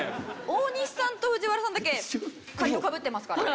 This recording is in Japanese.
大西さんと藤原さんだけ解答かぶってますからね。